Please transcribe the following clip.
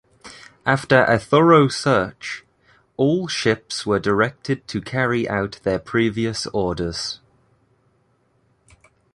After a thorough search, all ships were directed to carry out their previous orders.